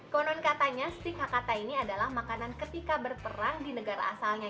konon katanya stik hakata ini adalah makanan ketika berperang di negara asalnya